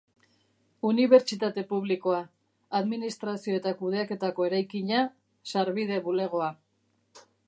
Unibertsitate Publikoa, Administrazio eta Kudeaketako eraikina, Sarbide Bulegoa.